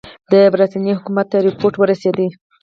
د برټانیې حکومت ته رپوټ ورسېد.